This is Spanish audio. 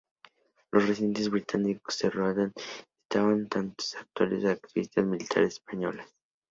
Los residentes británicos de Roatán estaban al tanto de las actuales actividades militares españolas.